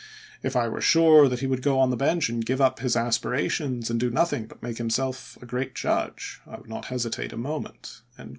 If I were sure that he would go on the bench and give up his aspirations and do nothing but make himself a great judge, I would not hesitate a moment."